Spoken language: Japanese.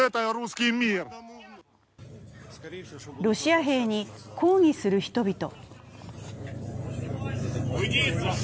ロシア兵に抗議する人々。